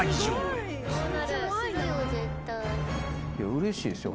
うれしいですよ。